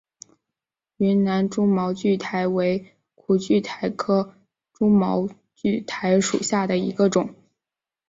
云南蛛毛苣苔为苦苣苔科蛛毛苣苔属下的一个种。